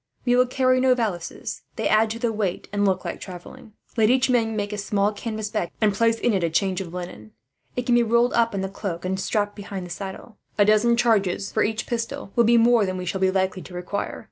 "We will carry no valises. They add to the weight, and look like travelling. Let each man make a small canvas bag, and place in it a change of linen. It can be rolled up in the cloak, and strapped behind the saddle. A dozen charges, for each pistol, will be more than we shall be likely to require.